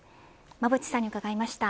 馬渕さんに伺いました。